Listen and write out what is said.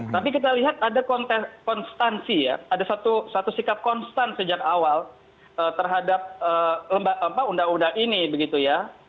tapi kita lihat ada konstansi ya ada satu sikap konstan sejak awal terhadap undang undang ini begitu ya